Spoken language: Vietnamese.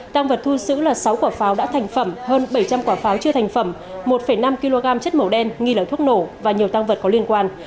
tăng vật thu giữ là sáu quả pháo đã thành phẩm hơn bảy trăm linh quả pháo chưa thành phẩm một năm kg chất màu đen nghi là thuốc nổ và nhiều tăng vật có liên quan